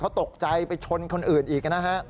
เขาตกใจไปชนคนอื่นอีกนะฮะ